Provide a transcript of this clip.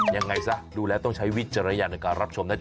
ยังไงซะดูแล้วต้องใช้วิจารณญาณในการรับชมนะจ